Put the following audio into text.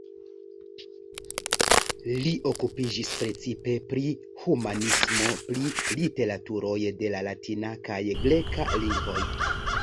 Li okupiĝis precipe pri humanismo, pri literaturoj de la latina kaj greka lingvoj.